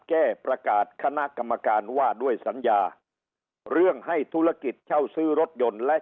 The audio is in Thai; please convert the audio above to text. แก้ประกาศคณะกรรมการว่าด้วยสัญญาเรื่องให้ธุรกิจเช่าซื้อรถยนต์และ